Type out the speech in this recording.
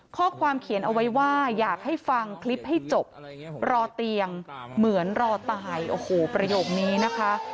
ข้อความเขียนเอาไว้ว่าอยากให้ฟังคลิปให้จบรอเตียงเหมือนรอตายโอ้โหประโยคนี้นะคะ